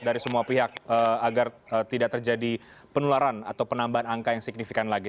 dari semua pihak agar tidak terjadi penularan atau penambahan angka yang signifikan lagi